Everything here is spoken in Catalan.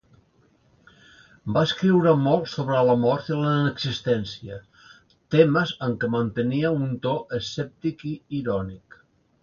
Va escriure molt sobre la mort i la inexistència, temes en què mantenia un to escèptic i irònic.